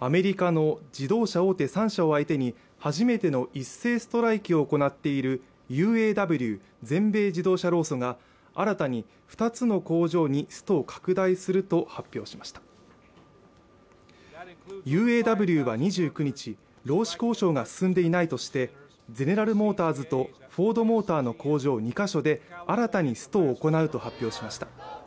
アメリカの自動車大手３社を相手に初めての一斉ストライキを行っているＵＡＷ＝全米自動車労組が新たに２つの工場にストを拡大すると発表しましたＵＡＷは２９日労使交渉が進んでいないとしてゼネラル・モーターズとフォード・モーターの工場２カ所で新たにストを行うと発表しました